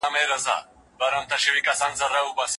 فزیوتراپسټان څه ډول درملنه کوي؟